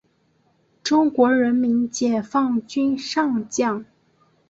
中国人民解放军上将。